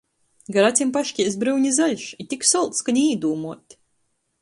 Gar acim paškeist bryuni zaļš, i tik solts, ka ni īdūmuot.